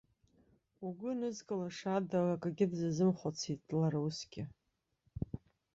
Угәы нызкылаша ада акагьы дзазымхәыцит лара усгьы.